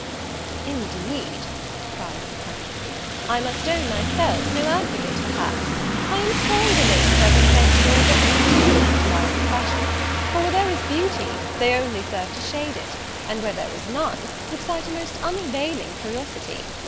"Indeed," cried Sir Clement, "I must own myself no advocate for hats; I am sorry the ladies ever invented or adopted so tantalizing a fashion: for, where there is beauty, they only serve to shade it; and, where there is none, to excite a most unavailing curiosity.